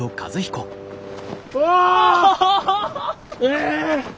え！